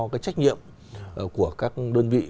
cái trách nhiệm của các đơn vị